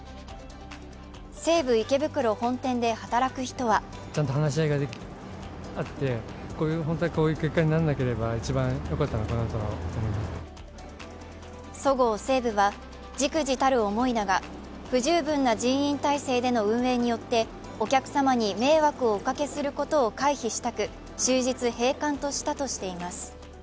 西武池袋本店で働く人はそごう・西武はじくじたる思いだが不十分な人員体制での運営によってお客様に迷惑をおかけすることを回避したく終日閉館としたとしています。